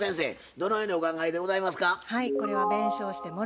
どのようにお考えでございますか？